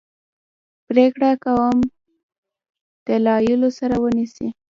پرېکړه کوم دلایلو سره ونیسي.